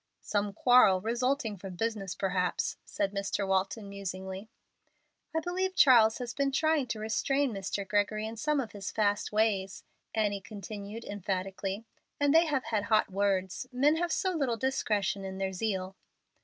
"Some quarrel resulting from business, perhaps," said Mr. Walton, musingly. "I believe Charles has been trying to restrain Mr. Gregory in some of his fast ways," Annie continued, emphatically, "and they have had hot words. Men have so little discretion in their zeal."